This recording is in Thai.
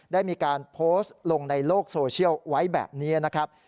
ได้มีการโพสต์ลงในโลกโซเชียลไว้แบบนี้นะครับ